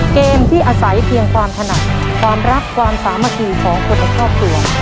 เกมที่อาศัยเพียงความถนัดความรักความสามัคคีของคนในครอบครัว